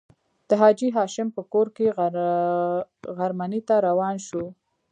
د حاجي هاشم په کور کې غرمنۍ ته روان شوو.